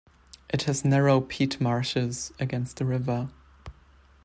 It has narrow peat marshes against the river.